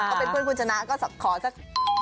ก็เป็นเพื่อนคุณชนะก็ขอสัก